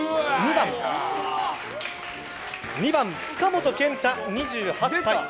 ２番、塚本健太、２８歳。